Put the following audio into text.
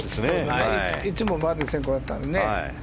いつもバーディー先行だったのにね。